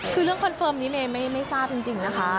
คือเรื่องคอนเฟิร์มนี้เมย์ไม่ทราบจริงนะคะ